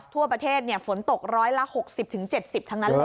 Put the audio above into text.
ทั่วประเทศฝนตกร้อยละ๖๐๗๐ทั้งนั้นเลย